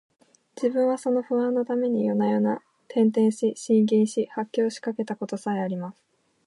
自分はその不安のために夜々、転輾し、呻吟し、発狂しかけた事さえあります